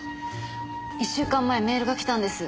一週間前メールが来たんです。